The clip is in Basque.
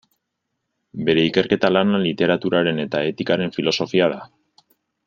Bere ikerketa lana literaturaren eta etikaren filosofia da.